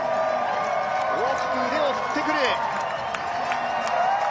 大きく腕を振ってくる。